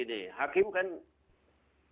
ini hakim kan